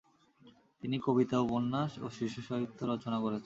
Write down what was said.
তিনি কবিতা, উপন্যাস ও শিশুসাহিত্য রচনা করেছেন।